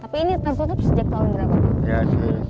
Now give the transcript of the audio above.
tapi ini tertutup sejak tahun berapa